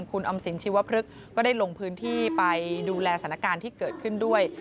คุณออมสินชีวพฤกษ์ก็ได้ลงพื้นที่ไปดูแลสถานการณ์ที่เกิดขึ้นด้วย